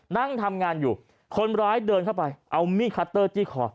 นั่งทำงานอยู่คนร้ายเดินเข้าไปเอามีดคัตเตอร์จี้คอ